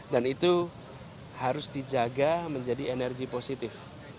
dan itu harus dijaga menjadi energi positif